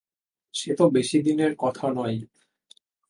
সে তো বেশিদিনের কথা নয়।